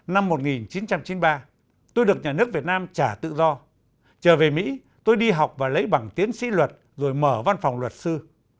năm một nghìn chín trăm chín mươi ba tôi được nhà nước việt nam trả tự do trở về mỹ tôi đi học và lấy bằng tiến sĩ luật rồi mở văn phòng luật sư